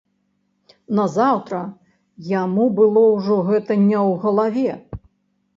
Назаўтра яму было ўжо гэта не ў галаве.